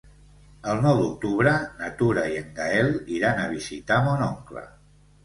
El nou d'octubre na Tura i en Gaël iran a visitar mon oncle.